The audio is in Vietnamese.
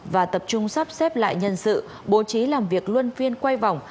và tập trung sắp xếp lại nhân sự bố trí làm việc luân phiên quay vòng